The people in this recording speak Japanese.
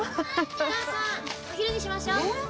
お母さんお昼にしましょうえー